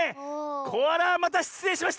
コアラまたしつれいしました！